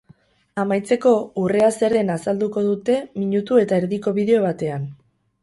Amaitzeko, urrea zer den azalduko dute minutu eta erdiko bideo batean.